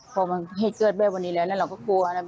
พอมันให้เกิดแบบวันนี้แล้วเราก็กลัว